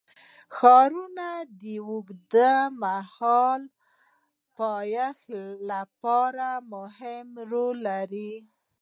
ښارونه د اوږدمهاله پایښت لپاره مهم رول لري.